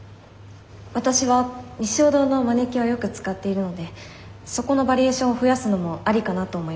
わたしは日粧堂のマニキュアをよく使っているのでそこのバリエーションを増やすのもありかなと思います。